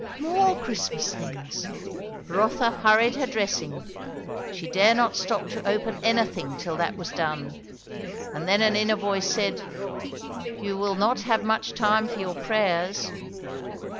More Christmas things! Rotha hurried her dressing; she dared not stop to open anything till that was done; and then an inner voice said, You will not have much time for your prayers.